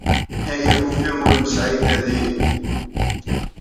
Ay akufi ur nesɛi tadimt!